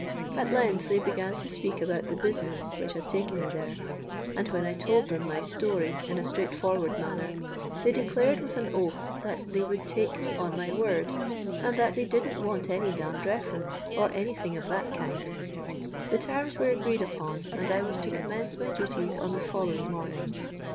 At length they began to speak about the business which had taken me there, and when I told them my story in a straight forward manner, they declared, with an oath, that 'they would take me on my word, and that they didn't want any damned reference, or any thing of that kind.' The terms were agreed upon, and I was to commence my duties on the following morning.